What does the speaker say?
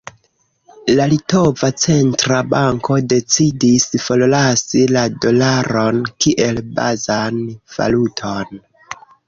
La litova centra banko decidis forlasi la dolaron kiel bazan valuton.